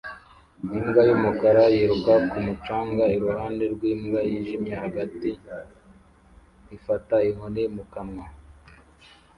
Imbwa y'umukara yiruka ku mucanga iruhande rw'imbwa yijimye hagati ifata inkoni mu kanwa